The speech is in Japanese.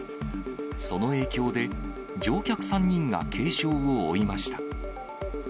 その影響で、乗客３人が軽傷を負いました。